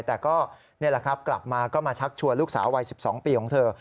แต่ก็นี่แหละครับกลับมาก็มาชักชวนลูกสาววัย๑๒ปีของเธอ